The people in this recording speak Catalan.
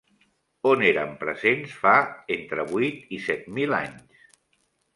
On eren presents fa entre vuit i set mil anys?